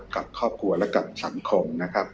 กับครอบครัวและกับสังคม